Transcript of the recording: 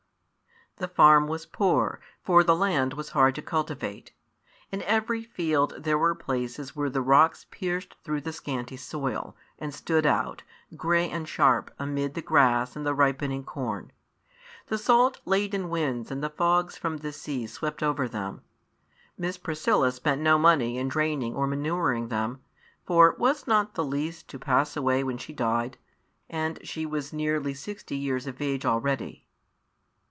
The farm was poor, for the land was hard to cultivate. In every field there were places where the rocks pierced through the scanty soil, and stood out, grey and sharp, amid the grass and the ripening corn. The salt laden winds and the fogs from the sea swept over them. Miss Priscilla spent no money in draining or manuring them; for was not the lease to pass away when she died, and she was nearly sixty years of age already?